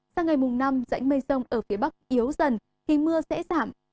sau ngày mùng năm rãnh mây rông ở phía bắc yếu dần khi mưa sẽ giảm